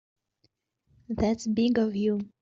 That's big of you.